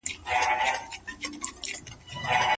موږ باید پرله پسې ډول علمي کار وکړو.